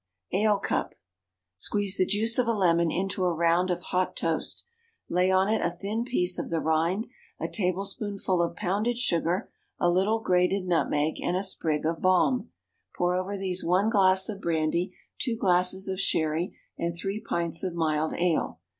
Ale Cup. Squeeze the juice of a lemon into a round of hot toast; lay on it a thin piece of the rind, a tablespoonful of pounded sugar, a little grated nutmeg, and a sprig of balm. Pour over these one glass of brandy, two glasses of sherry, and three pints of mild ale.